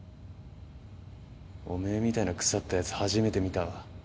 おめえみたいな腐ったやつ初めて見たわ。